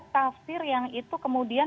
tafsir yang itu kemudian